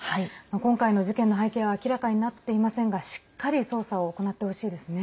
今回の事件の背景は明らかになっていませんがしっかり捜査を行ってほしいですね。